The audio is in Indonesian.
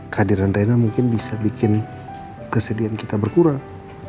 kehadiran rena mungkin bisa bikin kesedihan kita berkurang